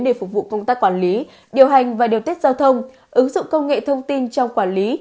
để phục vụ công tác quản lý điều hành và điều tiết giao thông ứng dụng công nghệ thông tin trong quản lý